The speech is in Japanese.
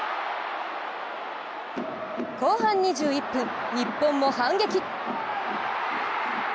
後半２１分、日本も反撃！